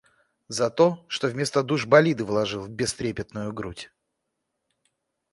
За то, что вместо душ болиды вложил в бестрепетную грудь.